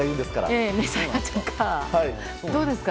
どうですか？